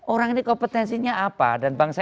orang ini kompetensinya apa